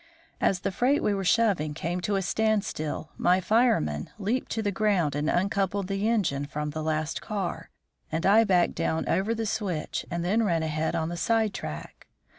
As the freight we were shoving came to a stand still, my fireman leaped to the ground and uncoupled the engine from the last car, and I backed down over the switch and then ran ahead on the side track.